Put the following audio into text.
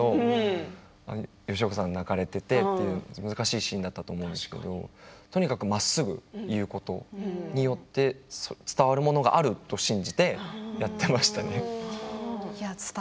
すごく励ましている感じではないんだけど吉岡さんが泣かれていてという難しいシーンだったんですけどとにかくまっすぐ言うことによって伝わるものがあると信じてやっていましたね。